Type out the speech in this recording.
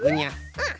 うん。